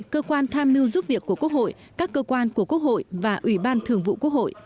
cơ quan tham mưu giúp việc của quốc hội các cơ quan của quốc hội và ủy ban thường vụ quốc hội